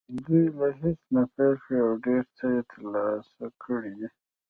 دوی له هېڅ نه پیل کړی او ډېر څه یې ترلاسه کړي دي